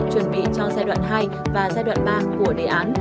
chuẩn bị cho giai đoạn hai và giai đoạn ba của đề án